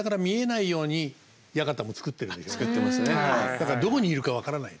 だからどこにいるか分からない。